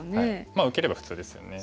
まあ受ければ普通ですよね。